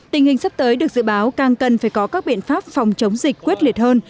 tình hình sắp tới được dự báo càng cần phải có các biện pháp phòng chống dịch quyết liệt hơn